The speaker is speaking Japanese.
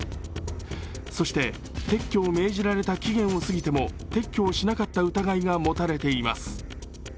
そして、撤去を命じられた期限をすぎても撤去をしなかった疑いが持たれています。